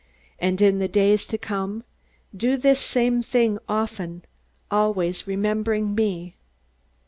And in the days to come, do this same thing often, always remembering me."